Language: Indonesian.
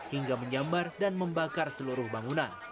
hingga menyambar dan membakar seluruh bangunan